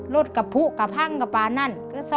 รถกับผู้กับห้างกับปลานั่น